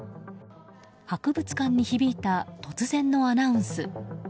博物館に響いた突然のアナウンス。